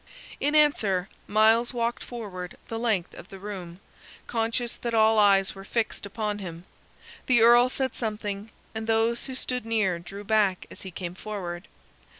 In answer Myles walked forward the length of the room, conscious that all eyes were fixed upon him. The Earl said something, and those who stood near drew back as he came forward.